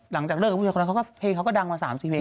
หลังจากเลิกวันนั้นเขาก็ดังมา๓๔เพลง